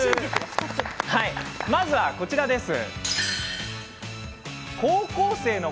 まずは、こちらです。